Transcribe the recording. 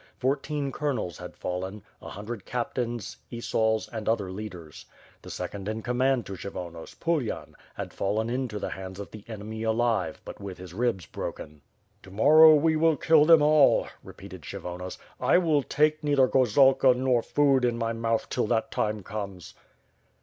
Fourteen colonels had fallen, a hundred captains, esauls, and other leaders. The second in command to Kshyvonos, Pulyan, had fallen into the hands of the enemy alive, but with his ribs broken. "To morrow we will kill them all," repeated Kshyronos. "I will take neither gorzalka nor food in my mouth till that time comes."